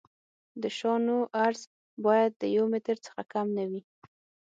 د شانو عرض باید د یو متر څخه کم نه وي